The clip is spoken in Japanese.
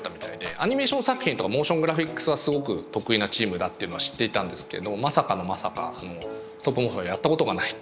アニメーション作品とかモーショングラフィックスはすごく得意なチームだっていうのは知っていたんですけどまさかのまさかストップモーションやったことがないっていう話で。